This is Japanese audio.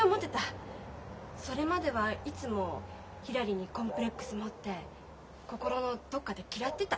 それまではいつもひらりにコンプレックス持って心のどっかで嫌ってた。